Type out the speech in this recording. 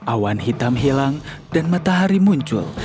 awan hitam hilang dan matahari muncul